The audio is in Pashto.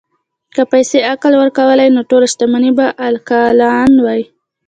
که پیسې عقل ورکولی، نو ټول شتمن به عاقلان وای.